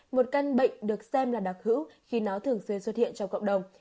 một căn bệnh được xem là đặc hữu khi nó thường xuyên xuất hiện trong cộng đồng